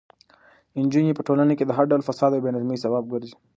نجونې په ټولنه کې د هر ډول فساد او بې نظمۍ سبب ګرځي.